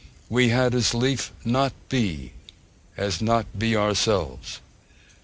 We had as lief not be, as not be ourselves.